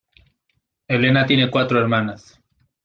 Helena tiene cuatro hermanas.